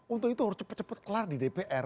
untuk itu harus cepat cepat kelar di dpr